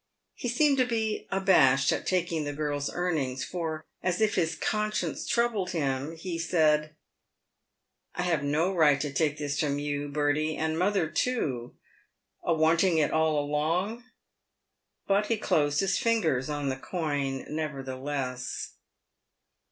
He seemed to be abashed at taking the girl's earnings, for, as if his conscience troubled him, he said, " I have no right to take this from you, Bertie, and mother, too, a wanting it all along." But he closed his fingers on the coin nevertheless.